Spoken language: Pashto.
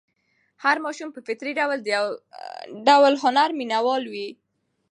هر ماشوم په فطري ډول د یو ډول هنر مینه وال وي.